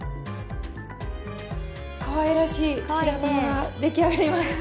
かわいらしい白玉が出来上がりました。